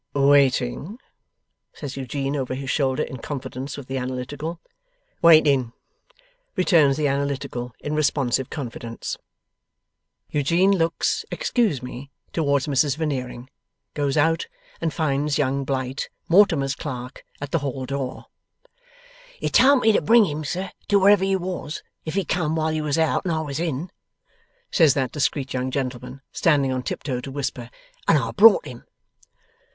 'Waiting?' says Eugene over his shoulder, in confidence, with the Analytical. 'Waiting,' returns the Analytical in responsive confidence. Eugene looks 'Excuse me,' towards Mrs Veneering, goes out, and finds Young Blight, Mortimer's clerk, at the hall door. 'You told me to bring him, sir, to wherever you was, if he come while you was out and I was in,' says that discreet young gentleman, standing on tiptoe to whisper; 'and I've brought him.